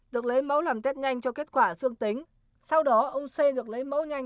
được lấy mẫu làm test nhanh cho kết quả dương tính sau đó ông c được lấy mẫu nhanh